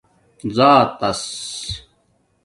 ذآتس